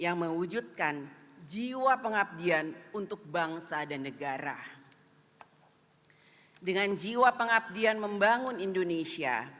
yang mewujudkan jiwa pengabdian untuk bangsa dan negara dengan jiwa pengabdian membangun indonesia